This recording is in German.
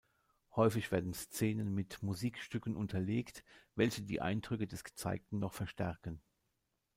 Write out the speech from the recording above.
Häufig werden Szenen mit Musikstücken unterlegt, welche die Eindrücke des Gezeigten noch verstärken.